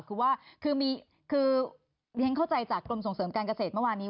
คือว่าคือเรียนเข้าใจจากกรมส่งเสริมการเกษตรเมื่อวานนี้